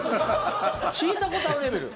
聞いたことあるレベル？